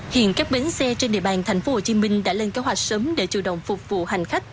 hiện các bến xe trên địa bàn tp hcm đã lên kế hoạch sớm để chủ động phục vụ hành khách